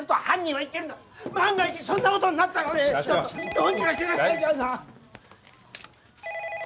どうにかしてください！